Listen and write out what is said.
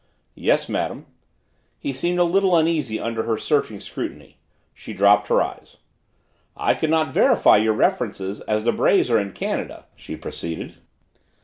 "Yes, madam." He seemed a little uneasy under her searching scrutiny. She dropped her eyes. "I could not verify your references as the Brays are in Canada " she proceeded.